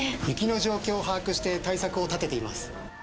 雪の状況を把握して対策を立てています。